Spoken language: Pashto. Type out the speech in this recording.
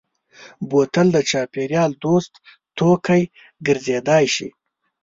بوتل د چاپېریال دوست توکی ګرځېدای شي.